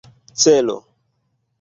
celo